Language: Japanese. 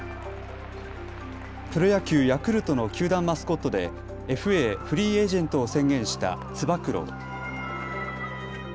プロ野球、ヤクルトの球団マスコットでＦＡ・フリーエージェントを宣言したつば九郎。